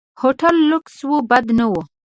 هوټل لکس و، بد نه و.